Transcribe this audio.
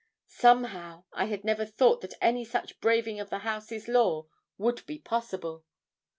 Somehow, I had never thought that any such braving of the house's law would be possible.